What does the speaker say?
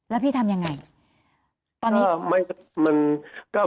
และพี่ทำอย่างไร